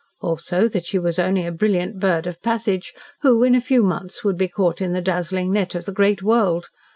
Also that she was only a brilliant bird of passage, who, in a few months, would be caught in the dazzling net of the great world.